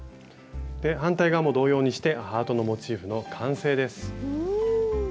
反対側も同様にしてハートのモチーフの完成です。